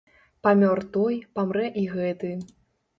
Памёр той, памрэ і гэты.